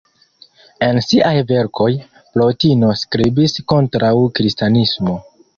En siaj verkoj, Plotino skribis kontraŭ kristanismo.